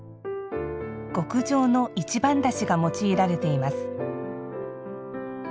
極上の一番だしが用いられています。